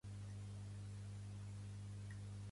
A Girona en aquest instant hi ha molts immigrats per el carrer?